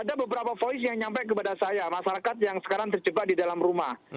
ada beberapa voice yang nyampe kepada saya masyarakat yang sekarang terjebak di dalam rumah